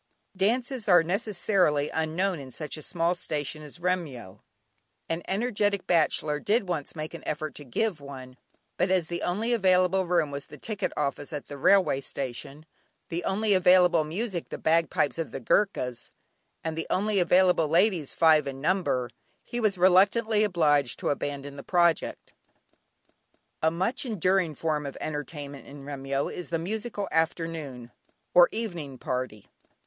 Dances are necessarily unknown in such a small station as Remyo. An energetic bachelor did once make an effort to give one, but as the only available room was the ticket office at the railway station, the only available music the bagpipes of the Goorkhas, and the only available ladies five in number, he was reluctantly obliged to abandon the project. A much enduring form of entertainment in Remyo is the musical afternoon, or evening party.